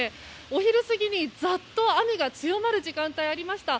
お昼過ぎにざっと雨が強まる時間帯がありました。